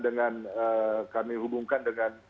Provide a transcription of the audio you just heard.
dengan kami hubungkan dengan